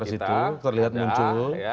sekitar situ terlihat muncul